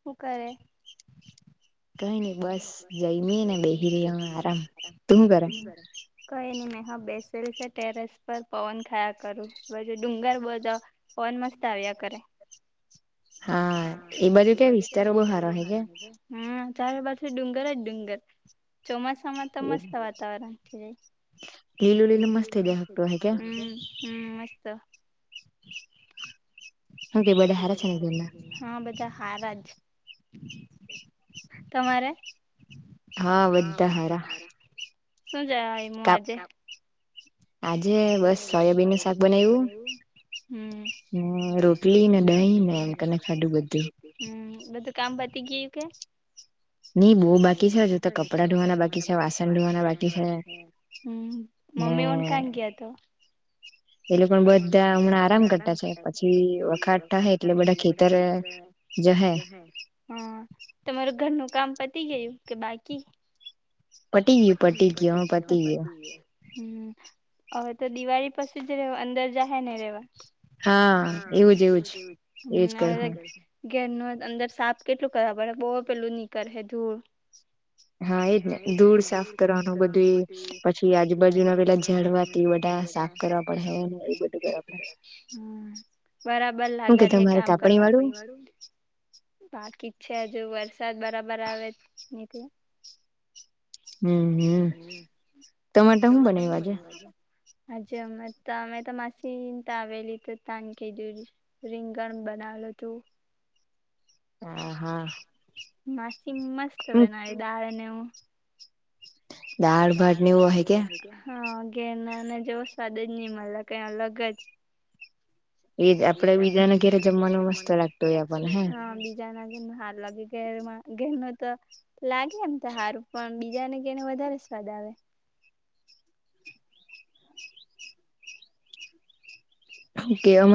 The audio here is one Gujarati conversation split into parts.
શું કરે કોઈ ન મે હા બે ટેરેસ પર પવન ખાયા કરું પછી ડુંગર બધા પવન મસ્ત આવ્યા કરે હા એ બાજું કે વિસ્તારો બહુ સારો હ કે ચારે પાછી ડુંગર જ ડુંગર ચોમાસામાં તો મસ્ત વાતાવરણ જાય હ હા બધા હારાજ તમારે હા વધજ્દ હાર શું જયમું આજે આજે બસ સોયાબીન નું શાક બનાવું ને ડ નમ તને ખઢું બધું બધું કામ બતી ગયું કે નહી બહ બાકી છે હ તો કપડા ધવાના બાકી છે વાસન ધોવાના બાકી છે મમ્મી પણન ક ગયા તો એ લોકો બધા હમણાં આરામ કરતા છે પછી વખાત થ એટલે બધા ખેતર હમ તમારું ઘરનું કામ પતી ગયું કે બાકી પટી ગ પટી ગયા પટી હવે તો દિવાળી પછી જ અંદર જ હ ને રેવા હ ગ અંદર સાપ કેટલું કરવા પડે બહુ પેલું નીકળે હે ધૂળ હા એજ ને ધૂળ સાફ કરવાનું બધું પછી આજુબાજુ ના પેલા જળવાથી બરાબર લાગાડે કામ બાકી ચ છેા જો વરસાદ બરાબર આવે ની હમ હમ તમારે શું બનાવવા છે હજ અ તો અમે તો માસી આવેલી તો ત કીધું રીંગણ બનાવ હાલ તો હ હા. માસી મસ્ત બનાવે દાળને એવું દાળભાત ને એ હા. ઘેરના અને જેવો સ્વાદ જ નહી મળ કઈ અલગ જ. એજ આપડે બીજાના ઘેરે જમવાનું મસ્ત લાગતુ હોય અપણને, હા બીજાણા ઘરનું હારું લાગે ઘરમાં ગેહનત લાગે એમ તો હારું પણ બીજાને કેને વધારે સ્વાદ આવે.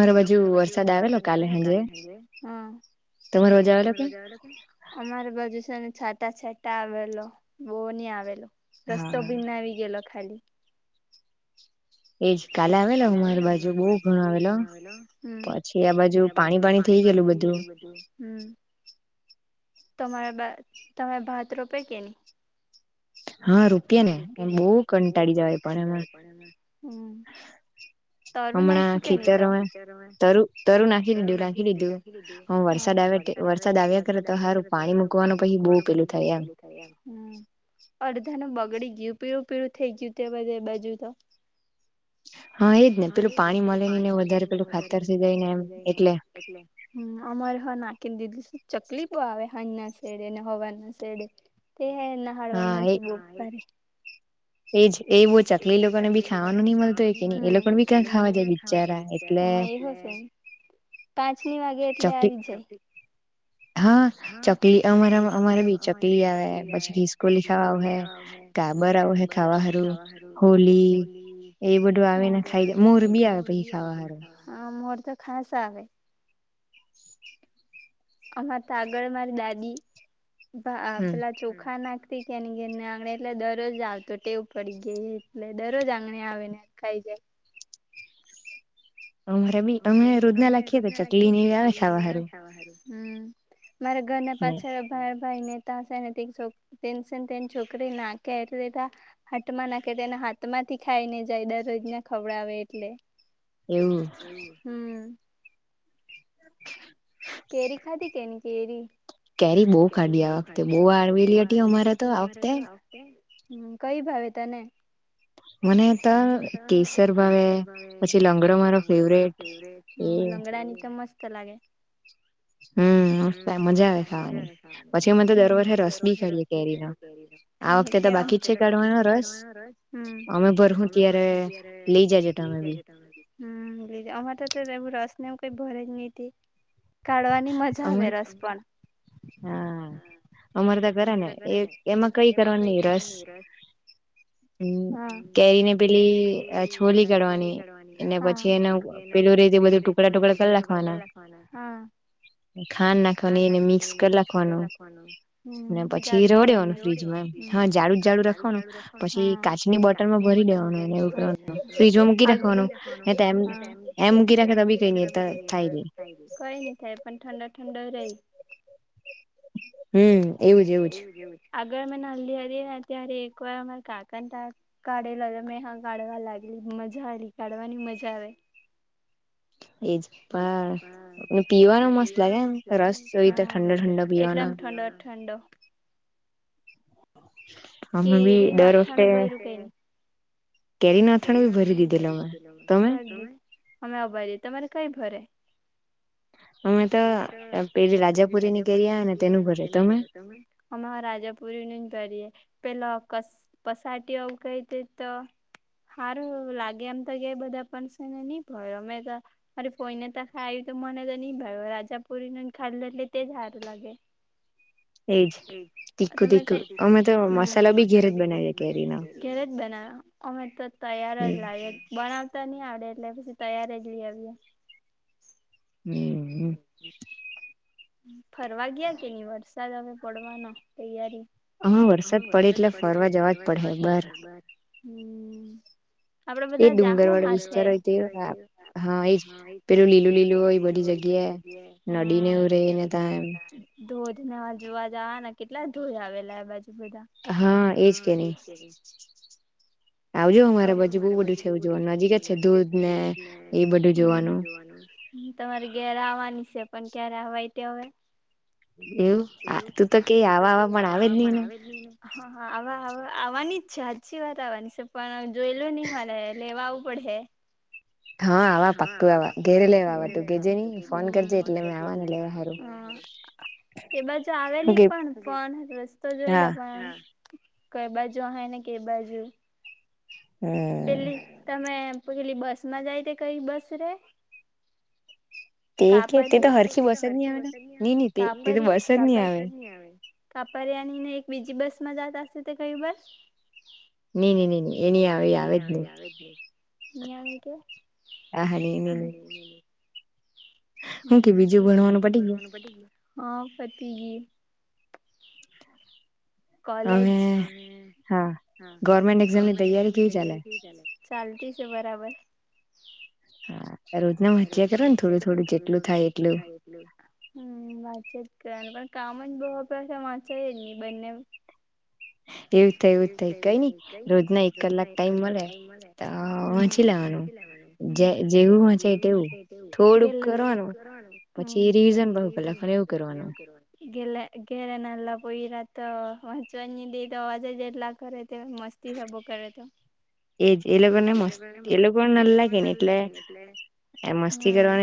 કે અમારે બાજુ વરસાદ આવેલો કાલે હાંજે હ. તમારી બાજુ આવેલો ક્યાય? અમારી બાજુ સે ને છાટા છાટા આવેલો બહુ નહી આવેલો રસ્તો ભીનાવી ગયેલો ખાલી. એજ કાલે આવેલો મારી બાજુ બવ ઘણો આવેલો પછી આ બાજુ પાણી પાણી થઈ ગયેલું બધું હ. તમારે તમારે ભાત રોપે કે નઈ? હા રોપીએ ને એ બહ કંટાળી જવાય પણ એમાં. હ તરું નાખ્યું કે નહી તું તરું નાખી દીધું નાખી દીધું હ. વરસાદ આવ્યા વરસાદ આવ્યા કર તો સારું પાણી મૂકવાનું પછી બહુ પેલું થાય એમ. અડધા નું બગડી ગયું પીળું પીળું થઈ ગયું તે બધે બાજુ તો. હા એજ ને પેલું પાણી મળે નઈ ને વધારે પેલુ ખાચ થઈ જાય ને એમ એટલે અમારે હા નાખીને દીધી ચકલી બવ આવે હંજના સેડેને હવારના સેડે. એ હે નાહાળવા ના જ [unintelligible] એજ એ બહ ચાકલી એ લોકો ને બી ખાવાનું નહ મળતો હોય કે નઈ એ લોકોને બી ક્યાં ખાવા જાય બિચારા એટલે [unintelligible] [inaudible] પાંચની વાગે એટલે આવી જાય. હા ચકલી અમારા અમારે બી ચકલી આવે પછી ખિસકોલી ખાવા આવે. ગાબર આવો હે ખાવા હારું હોલી એ બધ ડું આવે ને ખાઈ મોર બી આવે પછી ખાવા હારું. તો ખાસ આવે. અમા ત આાગળ મારી દાદી પેલા ચોખા નાખતી એની ઘરને આંગણે એટલે દરરોજ આવતો ટેવું પડી ગઈ એટલે દરરોજ આંગણે આવે ને ખાઈ જાય. અમારે બી અમે રોજના લખીએ તો ચકલીને એ આવે ખાવા હારું. હમ મારા ઘરને પાછળ ભાર ભાઈ ને સેને છો તેને સે તેને છોકરી નાખે એટલે એટલા હટમાં નાખે તેના હાથમાં થી ખાઈ ને જાય દરરોજ ના ખવડાવે એટલે [inaudible] હમ કેરી કેરી બહ ખાટી આ વખતે બહ હળવેલી હટી અમારે તો આ વખતે. હ કઈ ભાવે તને? મને ત કેસર ભાવે પછી લંગડો મારો ફેવરેટ. લંગડાની તો મસ્ત લાગે. [inaudible] હમ મજા આવે ખાવાની પછીને તો દર વર્ષે રસ બી કરીએે કેરી ના બાકી છે કાઢવાનો રસ અમે ભર હું ત્યારે લઈ જ બ અમા તો એવું રસ ને એવુ ભરે જ નહ કાઢવાની મજા આવે રસ પણ. હા અમર તો કરે ને એ એમાં કઈ કરવાનું નઈ રસ હમ કેરીને પેલી છોલી કાઢવાની એને પછી એનો પેલું રહી બધું ટુકડા ટુકડા કર લખવાના- ખાં નાખવા ની એને મિક્સ લખવાનું ને પછી રહવાડેવાનું ફ્રીજમાં એમ હા જાડું જ જાડું રાખવાનું. પછી કાચની બોટલમાં ભરી લેવાનું એને ઉરવાનું ફ્રીજમાં મૂકી રાખવાનું ને તેમ એમ મુકી રાખે તો બી કઈ ની થાય નહી કઈ નઈ થાય પણ ઠંડા ઠંડા રહી. હમ એવું જ એવુંજ આગળ મે ન હલી હતીને અ્યારે એક વાર અમારા કાકાને તા કાઢેલા હતો મેં હ કાઢવા લાગલી મજા આવેલી કાઢવાની મજા આવે [inaudible] એજ પણ પીવાનો મસ્ત લાગે એમ રસ જોઈ તો ઠંડા ઠંડા પીવાનો ઠંડો ઠંડો કેએરી નુ હથાણુ ભય રું કે ન કેરી નું અથાણું બી ભરી દીધે તમ, ભર દીધે અમેઓ ભર્યું તમારે કાય ભરે? હ. અમે તો પેલી રાજાપુરી નીકળીહે ને તેનું ભલે તો તમે, અમા ય રાજાપુરી- - પેલા કસ પસાટી આવ કય હતી તો- - હારું લાગે આમ તો કે યા બધા પણ છે ને નઈ ભર્યુ અમે તો મારી ફઈને ત ખા ઇ- - તો મને તો ની ભાયુ રાજાપુરીને ખાધ એટ તે જ હારું લાગે. એજ ટીકુ ટીકુ અમે તો- - અમે તો મસાલો ભી ઘરે જ બનાવીએ, ઘેરે જ બનાવ અમે તો તૈયાર જ લાય બનાવ- - બનાવતા નહી આવડે એટલે પછી તૈયાર જ લઈ આવીએ. હમ હમ. ફરવા ગયા કે નહી વરસાદ હવે પડવાનો તૈયારી- - હમાં વરસાદ પડે એટલે ફરવા જવા જ પડે બાહર હ. એ ડુંગર વાળો વિસ્તાર હોય તે હા એજ પેલું લીલું લીલું હોય એ બધી જગ્યા. હમ. ભેઈ ને તાન જોવા જવા ને કેટલા ધૂય આવેલા આબાજુ? બધા હા એજ છે. આવજો મારા બાજુ બઉુ બધું છે એવું જોવાનું નજીક જ છે દૂધ ને એ બધું જોવાનું. તમારી ઘેરે આવવાની છે, પણ ક્યારે આવવાય તે હવે. એવું આ તું તો કેઈ આવાવા પણ આવે જ નહીને. હા આવ આવ આવવાની જ છે હાચી વાર આવવાની છે. પણ જોઈ લો નહી મારે લેવા આવું પડે હ? હા આવા પાક્કું આવા ઘેરે લેવાવા તું ઘેજે ની ફોન કરજે એટલે મે આવા ને લેવા હારું. [inaudible] એ બાજુ આવેલી પણપણ રસ્તો જોયેલા પણ- - કઈ બાજુ હે ને કે બાજુ પેલી તમે- - પ પેલી બસ માં જાય તે કઈ બસ રે? [inaudible] કાપરીયા એ તો હરખુ વધતા ની આવે કાપરી [unintelligible] કાપ હર કાપાપા- - પર્યાની ને એક બીજી બસ માં જતાહશે તે કઇ બસ? નઈ ન નઈ નહી એની આવી આવે જ નહી. નઇ આવે કે- - હમ શું છે બીજું ઘણવાનું પતી ગ- - હા પતિ ગયુ- - કોલેજ હવે હા ગવર્મેન્ટ એક્ઝામ ની તૈયારી કેવી ચાલે ચાલતી છે બરાબર. હા. રોજ ન મ્યા કરો ને થોડું થોડું જેટલું થાય એટલું. છકને પણ કામ જ બહુપે વાંચાય નહી બંને- - એવું થાય એવું થઈ કઈ નઈ રોજ ના એક કલાક ટાઈમ મળે તો વંચી લેવાનું. [inaudible] [unintelligible] તો વંચવાની દે તો અવાજ જ એટલા કરે તો મસ્તી સબુ કરે તો. એજ એ લોકોને મસ્ત એ લોકો ન લાગે ને એટલે- - [unintelligible] રમવા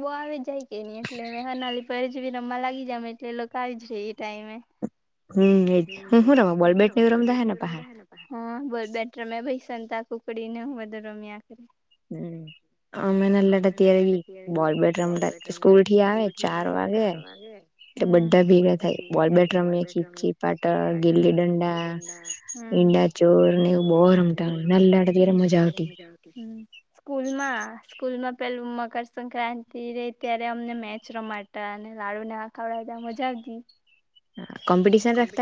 બહ આવી જાય કે નહી એટલે હનાલી પર જ ભી રમવા લાગી જ એટલે- - કાલ જ ર ટાઈમ એ- - બોલબટ રમે્યા. સંનતા કુકડી ને હું વધુ રમ્યા- - હમ. અમે નાલલા હતા ત્યારે બોલ બેટ રમતા સ્કૂલ થી આવે ચાર વાગે એટલે બધા ભેગા થાય બોલ બેટ રમે ખીપચી પાટ ગીલી ડંડા ચોર ને બહ રમતા નાલલા હતા ત્યારે મજા આવતી. સ્કૂલમાં સ્કૂલમાં પેલું મકરસક્રાંતિ રહી ત્યારે અમને મેચ રમાતા અને લાડુ ને એવા [unintelligible] મજા આવતી. અમે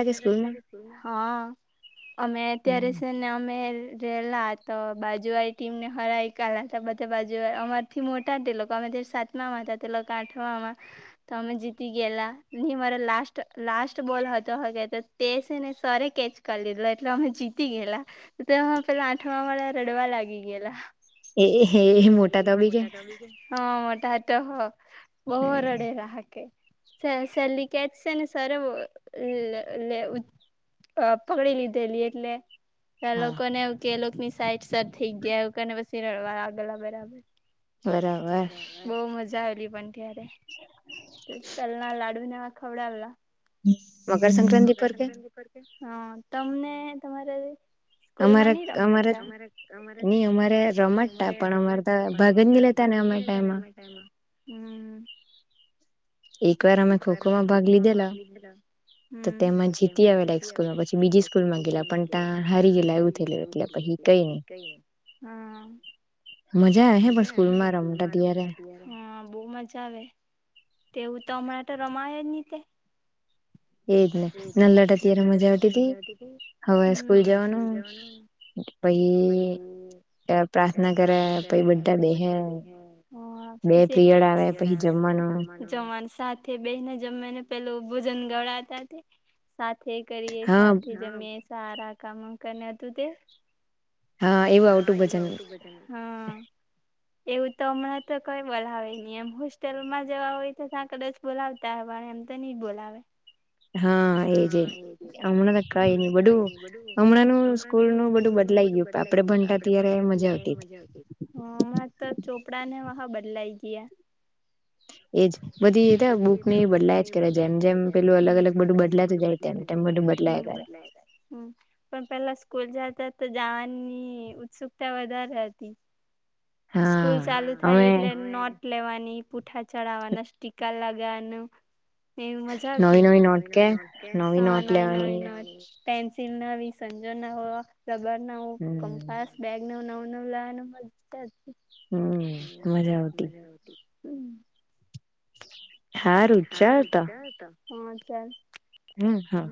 ત્યારે છે ને અમે રેલા તો બાજુવાળ ટીમને હરાઈ કાલલા તો બધા બાજુ અમાર થી મોટા તે લોકો અમે જે સાતમા હતા તે લોકો આઠમાં તો અમે જીતી ગેલા ની મારો લા લાસ્ટ બોલ હત [unintelligible] તે સે ને સર એ કેચ કરી લીધલો એટલે અમે જીતી ગેલા તેમા પેલો આંઠમા [unintelligible] રડવા લાગી ગેલા મોટા તો હો બવ રડે રા કે છે છેલ્લી કેચ સે ને સરે બો અહહ લે અહહ ઉચ અ પકડી લીધેલી એટલે એ લોકો ને એું કે લોકો ની સાઈટ સર થઈ ગયા એવું કરીને પછી રડવા લાગ [unintelligible] બરાબર બરાબ બહુ મજા આવેલી અ્યારે તલના લાડુ ને એવા ખવડાવેલા મકરસંક્રાંતિ પર કે હા તમને તમારે અમારે અમારે નઈ અમારે રમતતા પણ અમારે તો ભાગ જ ની લેતા બદલે તને અ્ ટાઈમ હમ એક વાર અમે ખોખો માં ભાગ લીધેલો તો તેમાં જીતી આવેલા એક સ્કૂલમાં પછી બીજી સ્કૂલ માં ગેલા પણ તા હારી ગયેલા એવું થયેલું એટલે પછી હા હમમ મજા આવે હે પણ સ્કૂલમાં સ્કૂલમાં રમતા ત્યારે બહ મજા આવે તેવું તો હમણાં તો રમાય જ નહી તે એજ ને નાલાલા તા ત્યારે મજા આવતી હતી હવે સ્કૂલ જવાનું પહી પ્રાર્થના કરે પહિ બધા બેહે હ પછી જવાની સાથે બેને જમને પેલુ ભોજન ગળાતા સાથે કરીએ સાથે જમે સારા કામ કરને હતું તે હા એવું આવટું બધાને એવું તો હમણાં તો કઈ બોલાવે નહી એમ હોસ્ટેલ માં જવા હોય તો ત્યાં કદાચ બોલાવતા અહે પણ [unintelligible] બોલાવે. [inaudible] હા એજ એજ હમણાં તો કઈ નહી બધું હમણાં ન સ્કૂલ નું બધું બદલાય બધું બદલાઈ ગયું આપડે ભણતા ત્યારે મજા આવતી હ ચોપડા ને એવા બી બદલાઈ ગયા એ બધી એ ગ બલા અ મ અલગ અલગ બ બદલા હમમ હમમ પણ પેલા સ્કૂલ જતા તો જવાની ઉત્સુકતા વધારે હતી. સ્કૂલ ચાલુ થાય એટલે નોટ લેવાની પૂઠા ચઢાવવાના સ્ટીકર લગાવાનું એવી મજા આવતી નવી નવી નોટ કે હ નવી નવી નટ પેન્સિલ આવી સંજો ના હો રબર ના કમ્પાસ બેગ ન નવું નવ લાવવાનું બધ જ હમ મજા આવતી. હારુ ચાલ તો હ ચાલ. હમ હા.